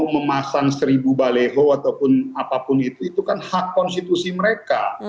memasang seribu baleho ataupun apapun itu itu kan hak konstitusi mereka